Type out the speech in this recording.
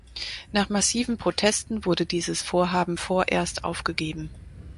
Nach massiven Protesten wurde dieses Vorhaben vorerst aufgegeben.